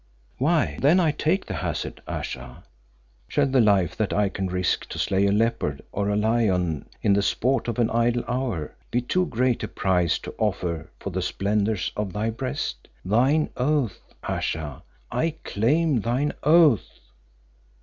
"Why then I take the hazard, Ayesha. Shall the life that I can risk to slay a leopard or a lion in the sport of an idle hour, be too great a price to offer for the splendours of thy breast? Thine oath! Ayesha, I claim thine oath."